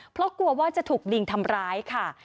เพราะกลัวว่าจะถูกลิงทำร้ายค่ะ